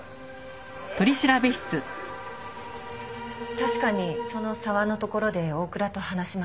確かにその沢の所で大倉と話しました。